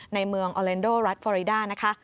ในเมืองออเลนโดรัฐฟอริดานะคะ